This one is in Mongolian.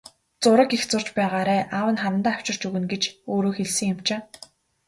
Зураг их зурж байгаарай, аав нь харандаа авчирч өгнө гэж өөрөө хэлсэн юм чинь.